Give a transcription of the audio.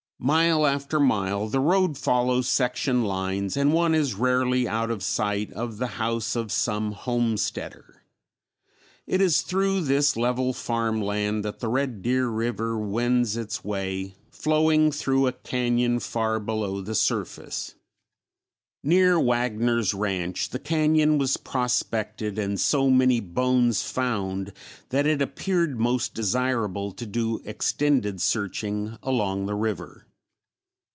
Mile after mile the road follows section lines and one is rarely out of sight of the house of some "homesteader." It is through this level farm land that the Red Deer River wends its way flowing through a cañon far below the surface. Near Wagner's ranch the cañon was prospected and so many bones found that it appeared most desirable to do extended searching along the river.